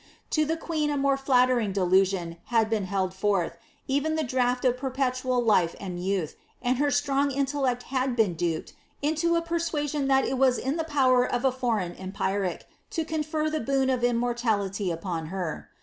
To the queen a more flattering delusion had been held forth, even the draught of per petual life and youth, and her strong intellect had been duped into a persuasion that it was in the power of a foreign empiric to confer the boon of immortality upon her.